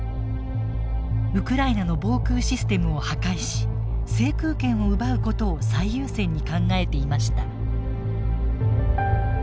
ウクライナの防空システムを破戒し制空権を奪うことを最優先に考えていました。